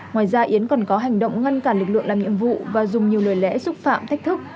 ngoài ra yến còn có hành động ngăn cản lực lượng làm nhiệm vụ và dùng nhiều lời lẽ xúc phạm thách thức